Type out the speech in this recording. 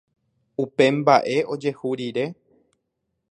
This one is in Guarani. upe mba'e ojehu rire